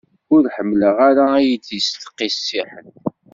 Ur ḥemmleɣ ara ad y-isteqsi ḥedd.